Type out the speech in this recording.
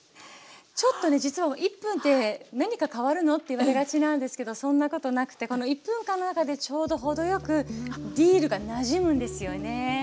ちょっとね実は１分って何か変わるの？っていわれがちなんですけどそんなことなくてこの１分間の中でちょうど程よくディルがなじむんですよね。